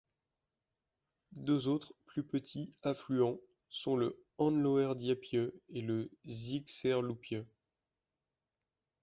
Deux autres, plus petits, affluents sont le Anloërdiepje et le Zeegserloopje.